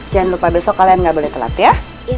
jangan lupa besok kalian nggak boleh telat ya